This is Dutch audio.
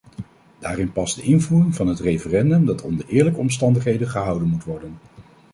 Daarin past de invoering van het referendum, dat onder eerlijke omstandigheden gehouden moet worden.